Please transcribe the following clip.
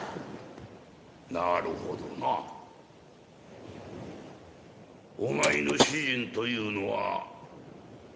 「なるほどな。お前の主人というのは悪党だな。